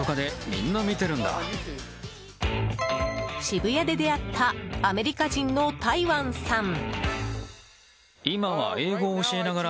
渋谷で出会ったアメリカ人のタイワンさん。